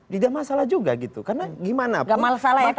tidak masalah juga gitu karena gimana pun